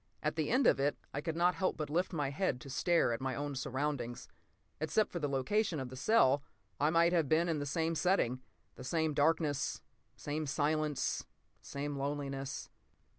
At the end of it I could not help but lift my head to stare at my own surroundings. Except for the location of the cell, I might have been in they same setting. The same darkness, same silence, same loneliness.